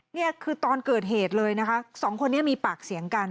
นี่คือตอนเกิดเหตุเลยนะคะสองคนนี้มีปากเสียงกัน